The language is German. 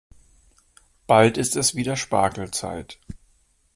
Bald ist es wieder Spargelzeit.